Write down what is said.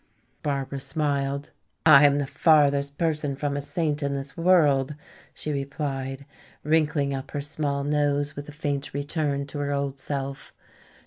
Barbara smiled. "I am the farthest person from a saint in this world," she replied, wrinkling up her small nose with a faint return to her old self.